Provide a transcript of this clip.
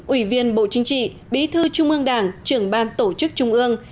ủy viên bộ chính trị bí thư trung ương đảng trưởng ban tổ chức trung ương